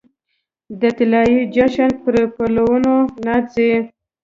د طلايې جشن پرپلونو ناڅي